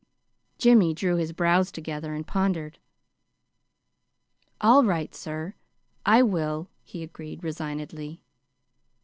Jimmy drew his brows together and pondered. "All right, sir, I will." he agreed resignedly.